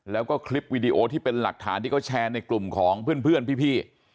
แล้วก็คลิปวีดีโอที่เป็นหลักฐานที่เขาแชร์ในกลุ่มของเพื่อนพี่